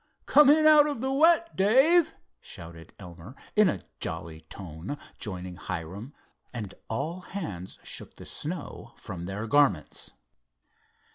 "Come in out of the wet, Dave!" shouted Elmer, in a jolly tone, joining Hiram, and all hands shook the snow from their garments.